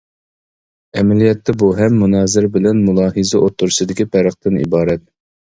ئەمەلىيەتتە بۇ ھەم مۇنازىرە بىلەن مۇلاھىزە ئوتتۇرىسىدىكى پەرقتىن ئىبارەت.